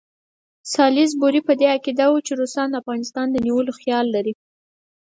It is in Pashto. سالیزبوري په دې عقیده وو چې روسان د افغانستان نیولو خیال لري.